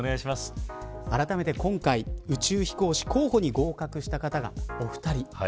あらためて今回宇宙飛行士候補に合格した方がお二人。